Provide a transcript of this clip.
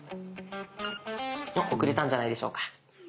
送れたんじゃないでしょうか。